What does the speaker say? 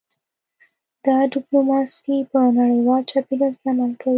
دا ډیپلوماسي په نړیوال چاپیریال کې عمل کوي